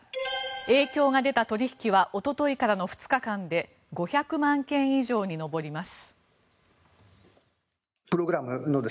影響が出た取引はおとといからの２日間で５００万件以上に上ります。